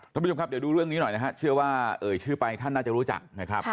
ท่านผู้ชมครับเดี๋ยวดูเรื่องนี้หน่อยนะฮะเชื่อว่าเอ่ยชื่อไปท่านน่าจะรู้จักนะครับ